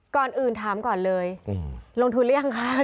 ก่อนอื่นถามก่อนเลยลงทุนหรือยังคะ